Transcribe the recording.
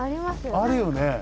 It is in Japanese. あるよね。